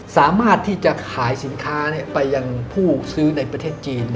สามารถที่จะขายสินค้าไปยังผู้ซื้อในประเทศจีน